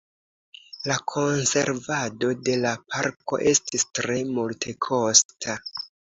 La konservado de la parko estis tre multekosta.